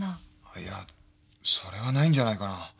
いやそれはないんじゃないかな。